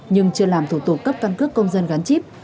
nhưng chưa làm thủ tục cấp căn cước công dân gắn chip